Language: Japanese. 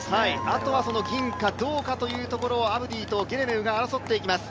あとは銀か銅かというところアブディとゲレメウが争っていきます。